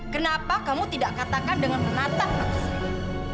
kenapa kamu tidak katakan dengan menatap mata saya